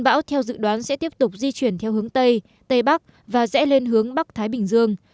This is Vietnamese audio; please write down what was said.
bão theo dự đoán sẽ tiếp tục di chuyển theo hướng tây tây bắc và rẽ lên hướng bắc thái bình dương